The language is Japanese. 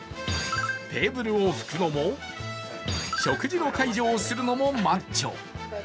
テーブルを拭くのも、食事の介助をするのもマッチョ。